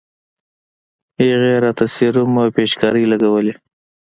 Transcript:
هغې راته سيروم او پيچکارۍ لګولې.